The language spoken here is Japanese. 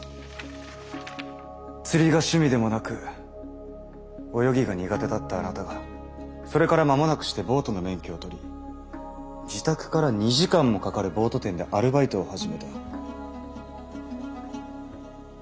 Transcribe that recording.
釣りが趣味でもなく泳ぎが苦手だったあなたがそれから間もなくしてボートの免許を取り自宅から２時間もかかるボート店でアルバイトを始めた。